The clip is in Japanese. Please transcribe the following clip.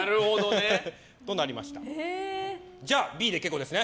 じゃあＢで結構ですね。